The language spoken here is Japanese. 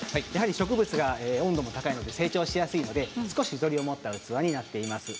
植物は温度が高いので成長しやすいのでゆとりを持った器になっています。